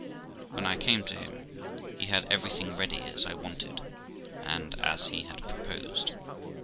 When I came to him, he had everything ready as I wanted, and as he had proposed.